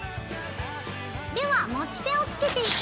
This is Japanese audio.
では持ち手をつけていきます。